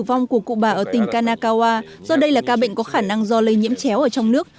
tử vong của cụ bà ở tỉnh kanakawa do đây là ca bệnh có khả năng do lây nhiễm chéo ở trong nước